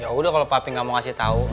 ya udah kalau papi gak mau kasih tau